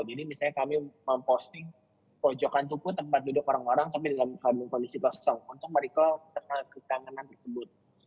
jadi misalnya kami memposting pojokan tuku tempat duduk orang orang tapi dalam kondisi kosong untuk merequel ketanganan tersebut